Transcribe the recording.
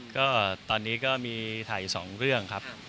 ก็ตอนนี้ก็มีถ่าย๒เรื่องครับ